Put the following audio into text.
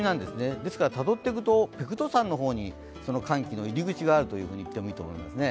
ですからたどっていくとペクトゥ山の方に寒気の入り口があると言ってもいいと思いますね。